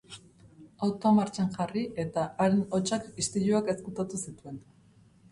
Autoa martxan jarri eta haren hotsak istiluak ezkutatu zituen.